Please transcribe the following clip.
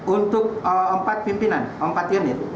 untuk empat pimpinan empat unit